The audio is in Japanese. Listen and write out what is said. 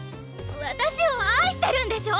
私を愛してるんでしょ